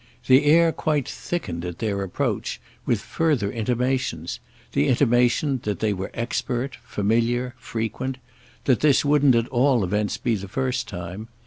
The air quite thickened, at their approach, with further intimations; the intimation that they were expert, familiar, frequent—that this wouldn't at all events be the first time.